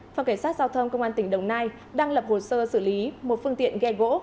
phòng cảnh sát giao thông công an tỉnh đồng nai đang lập hồ sơ xử lý một phương tiện ghe gỗ